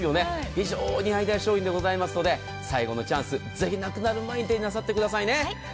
非常にありがたい商品でございますので最後のチャンスぜひなくなる前に手になさってくださいね。